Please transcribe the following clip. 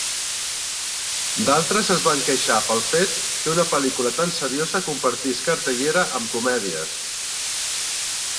D'altres es van queixar pel fet que una pel·lícula tan seriosa compartís cartellera amb comèdies.